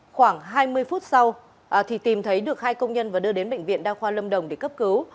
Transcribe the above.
khoảng hai mươi phút sau thì tìm thấy được hai công nhân và đưa đến bệnh viện đa khoa lâm đồng để cấp cứu